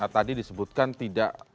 tadi disebutkan tidak